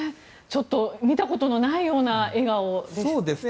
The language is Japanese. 見たことがないような笑顔でしたね。